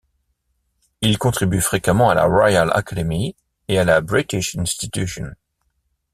Il contribue fréquemment à la Royal Academy et à la British Institution.